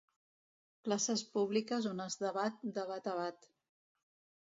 Places públiques on es debat de bat a bat.